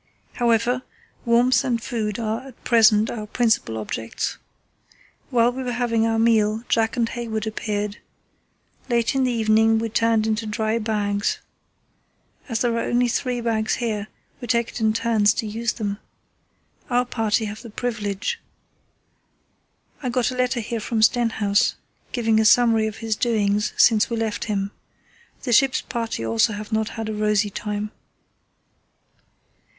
However, warmth and food are at present our principal objects. While we were having our meal Jack and Hayward appeared.... Late in the evening we turned into dry bags. As there are only three bags here, we take it in turns to use them. Our party have the privilege.... I got a letter here from Stenhouse giving a summary of his doings since we left him. The ship's party also have not had a rosy time."